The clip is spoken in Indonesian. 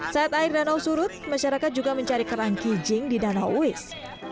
saat air danau surut masyarakat juga mencari kerang kijing di danau uis